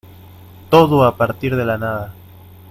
todo a partir de la nada.